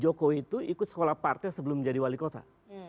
jokowi itu ikut sekolah partai sebelum menjadi wali kota